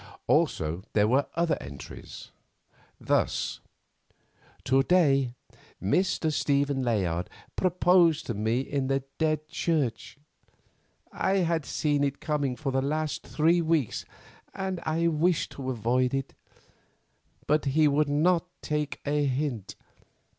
Also there were other entries. Thus: "To day Mr. Stephen Layard proposed to me in the Dead Church. I had seen it coming for the last three weeks and wished to avoid it, but he would not take a hint.